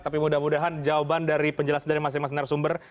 tapi mudah mudahan jawaban dari penjelasan dari mas reza nasr sumber